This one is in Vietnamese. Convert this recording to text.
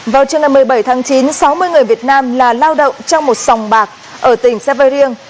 vào trưa ngày một mươi bảy tháng chín sáu mươi người việt nam là lao động trong một sòng bạc ở tỉnh sa vê riêng